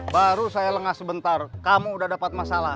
baru saya lengah sebentar kamu udah dapat masalah